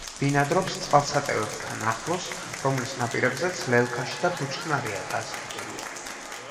ბინადრობს წყალსატევებთან ახლოს, რომლის ნაპირებზეც ლელქაში და ბუჩქნარია გაზრდილი.